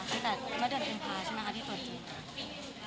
ตั้งแต่มาเดือนกลุ่มพาใช่ไหมคะที่ตัวจริง